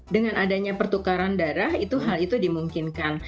dengan adanya pertukaran darah itu hal itu dimungkinkan